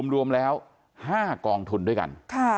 รวมแล้ว๕กองทุนด้วยกัน